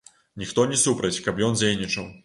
Ніхто не супраць, каб ён дзейнічаў.